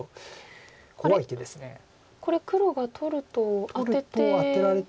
これ黒が取るとアテて。